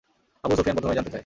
আবু সুফিয়ান প্রথমেই জানতে চায়।